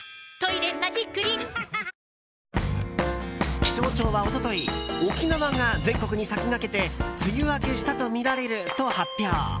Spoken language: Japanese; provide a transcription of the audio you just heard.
気象庁は一昨日沖縄が全国に先駆けて梅雨明けしたとみられると発表。